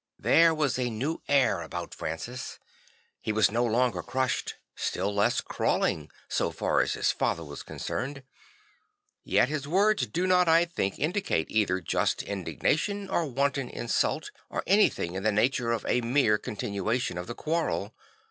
There was a new air about Francis. He was no longer crushed, still less crawling, so far as his father was concerned; yet his words do not, I think, indicate either just indignation or wanton insult or anything in the nature of a mere can tin ua tion of the quarrel.